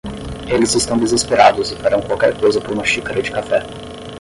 Eles estão desesperados e farão qualquer coisa por uma xícara de café.